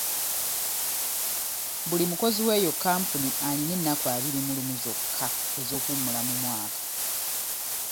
Buli mukozi w'eyo kampuni alina ennaku abiri mu lumu zokka ez'okuwummula mu mwaka.